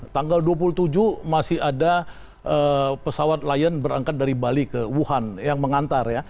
tanggal dua puluh tujuh masih ada pesawat lion berangkat dari bali ke wuhan yang mengantar ya